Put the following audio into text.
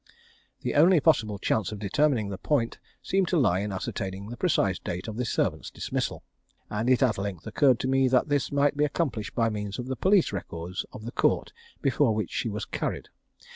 The only possible chance of determining the point seemed to lie in ascertaining the precise date of the servant's dismissal, and it at length occurred to me that this might be accomplished by means of the police records of the court before which she was carried.